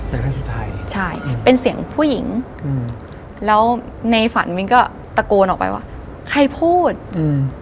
แต่ครั้งสุดท้ายใช่เป็นเสียงผู้หญิงอืมแล้วในฝันมิ้นก็ตะโกนออกไปว่าใครพูดอืม